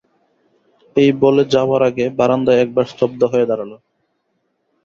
এই বলে যাবার আগে বারান্দায় একবার স্তব্ধ হয়ে দাঁড়াল।